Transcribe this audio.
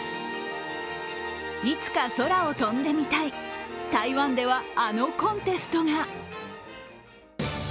いつか空を飛んでみたい、台湾では、あのコンテストが。